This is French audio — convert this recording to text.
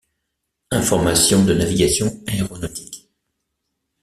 Informations de navigation aéronautique.